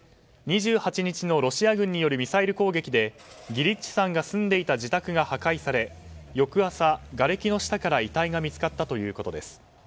２８日のロシア軍によるミサイル攻撃でギリッチさんが住んでいた自宅が破壊され翌朝、がれきの下から遺体が見つかったということです。